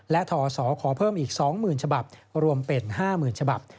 และทศขอเพิ่มอีก๒๐๐๐ฉบับรวมเป็น๕๐๐๐ฉบับ